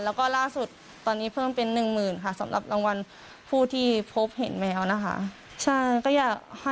แล้วก็ล่าสุดตอนนี้เพิ่มเป็น๑๐๐๐ค่ะสำหรับรางวัลผู้ที่พบเห็นแมวนะคะ